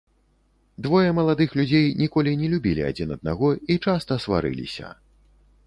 Двое маладых людзей ніколі не любілі адзін аднаго і часта сварыліся.